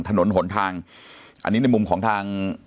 ถนนหนทางอันนี้ในมุมของทาง